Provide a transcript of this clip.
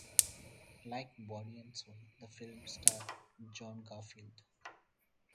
Like "Body and Soul", the film starred John Garfield.